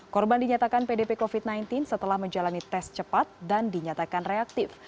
korban dinyatakan pdp covid sembilan belas setelah menjalani tes cepat dan dinyatakan reaktif